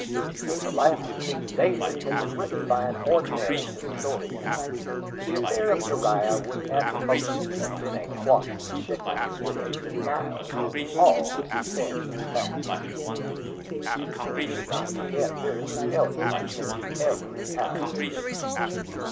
If the life of King David had been written by an ordinary historian the affair of Uriah would at most have been a quashed indictment with a denial of all the substantial facts. You should not forget there is a skeleton in every house.